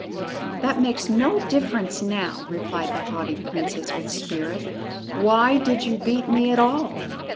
"That makes no difference now," replied the haughty princess with spirit; "why did you beat me at all?"